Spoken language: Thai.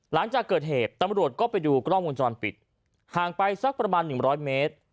หลังจากเกิดเหตุตำรวจก็ไปดูกล้องวงจรปิดห่างไปสักประมาณ๑๐๐เมตร